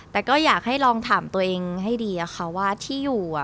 แต่ก็อยากให้ลองถามตัวเองให้ดีอะค่ะว่าที่อยู่